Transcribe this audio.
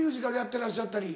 てらっしゃったり。